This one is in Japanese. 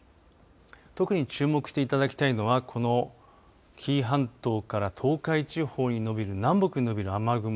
特に注目していただきたいのはこの紀伊半島から東海地方にのびる南北にのびる雨雲